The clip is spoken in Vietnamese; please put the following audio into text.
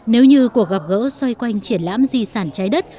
nếu như cuộc gặp gỡ xoay quanh triển lãm di sản trái đất